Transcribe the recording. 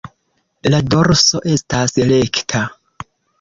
La dorso estas rekta.